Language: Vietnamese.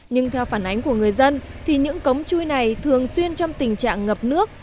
nhưng theo phản ánh của người dân thì những cống chui này thường xuyên trong tình trạng ngập nước